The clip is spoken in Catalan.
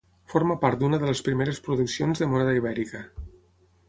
Forma part d'una de les primeres produccions de moneda ibèrica.